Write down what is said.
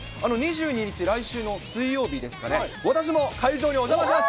２２日、来週の水曜日ですかね、私も会場にお邪魔します。